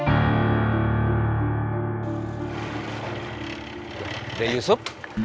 saya akan bantu ustadz